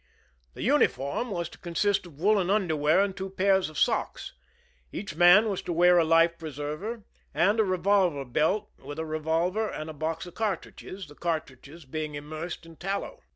The unif 0]:m was to consist of woolen underwear and two pairs of socks ; each man was to wear a life preserver and a revolver belt with a revolver and a box of cartridges, the cartridges being im mersed in tallow.